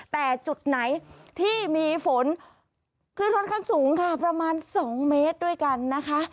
แต่จุดไหนที่มีฝนคลื่นค่อนข้างสูงค่ะประมาณ๒เมตรด้วยกันนะคะ